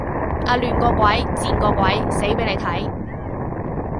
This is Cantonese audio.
啊亂個鬼，賤個鬼，死俾你睇